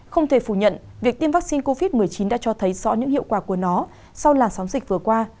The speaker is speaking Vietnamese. không thể phủ nhận việc tiêm vaccine covid một mươi chín đã cho thấy rõ những hiệu quả của nó sau làn sóng dịch vừa qua